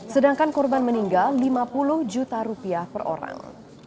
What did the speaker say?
sedangkan korban meninggal lima puluh juta rupiah per orang